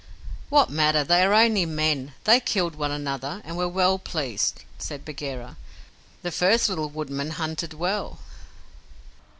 "What matter? They are only men. They killed one another, and were well pleased," said Bagheera. "That first little woodman hunted well."